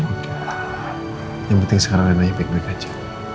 yang penting sekarang anaknya baik baik aja